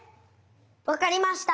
わかりました！